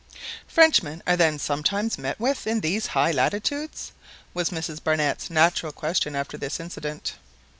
"Frenchmen are then sometimes met with in these high latitudes?" was Mrs Barnett's natural question after this incident.